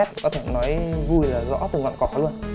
có thể nói vui là rõ từng vạn cọp luôn